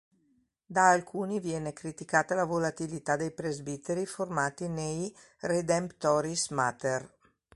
Da alcuni viene criticata la "volatilità" dei presbiteri formati nei "Redemptoris Mater".